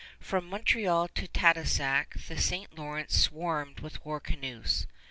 From Montreal to Tadoussac the St. Lawrence swarmed with war canoes.